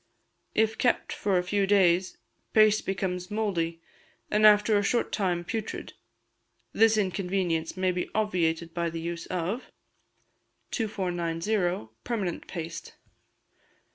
If kept for a few days, paste becomes mouldy, and after a short time putrid; this inconveince may be obviated by the use of: 2490. Permanent Paste.